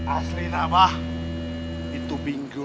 asli namah itu bingo